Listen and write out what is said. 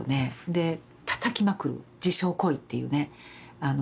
でたたきまくる自傷行為っていうね